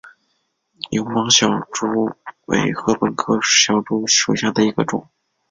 有芒筱竹为禾本科筱竹属下的一个种。